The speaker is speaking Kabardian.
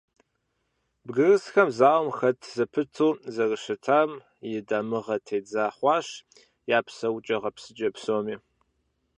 Бгырысхэр зауэм хэт зэпыту зэрыщытам и дамыгъэ тедза хъуащ я псэукӀэ-гъэпсыкӀэ псоми.